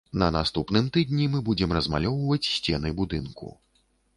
На наступным тыдні мы будзем размалёўваць сцены будынку.